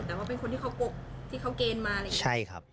แต่ว่าเป็นคนที่เขากกที่เขาเกณฑ์มาอะไรอย่างนี้ใช่ครับ